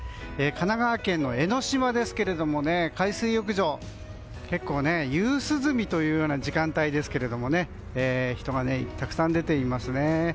神奈川県の江の島ですが海水浴場、結構夕涼みというような時間帯ですけれども人がたくさん出ていますね。